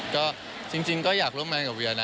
ก็จริงก็อยากร่วมงานกับเวียนะ